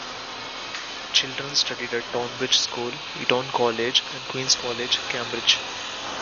Children studied at Tonbridge School, Eton College and Queens' College, Cambridge.